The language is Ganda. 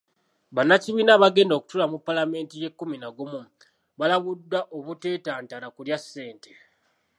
Bannakibiina abagenda okutuula mu Paalamenti y’ekkumi na gumu, balabuddwa obuteetantala kulya ssente.